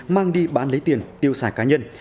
mang đi bán lấy tiền tiêu xài cá nhân